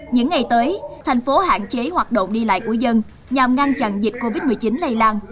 những ngày tới thành phố hạn chế hoạt động đi lại của dân nhằm ngăn chặn dịch covid một mươi chín lây lan